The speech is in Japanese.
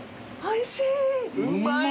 おいしい！